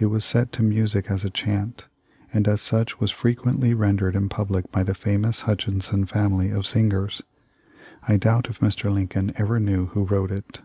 It was set to music as a ohant, and as such was frequently rendered in public by the famous Hutchinson family of singers. I doubt if Mr. Lincoln aver knew who wrote it.